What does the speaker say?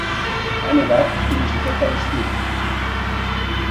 Ha nevat fins i tot a l'estiu.